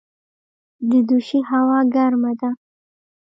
د دوشي هوا ګرمه ده